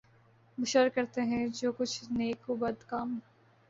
بشر کرتے ہیں جو کچھ نیک و بد کام